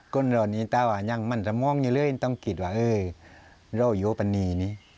คนเรานี้ต้องมั่นสมองอยู่เลยต้องคิดว่าเราอยู่แบบนี้